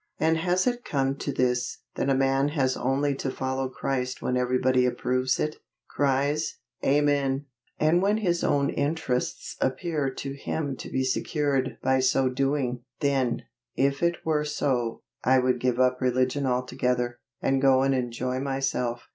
And has it come to this, that a man has only to follow Christ when everybody approves it cries "Amen" and when his own interests appear to him to be secured by so doing? Then, if it were so, I would give up religion altogether, and go and enjoy myself.